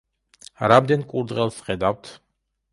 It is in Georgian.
რამდენ კურდღელს ხედავთ?